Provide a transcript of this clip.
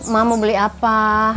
mak mau beli apa